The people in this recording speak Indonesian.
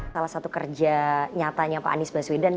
salah satu kerja nyatanya pak anies baswedan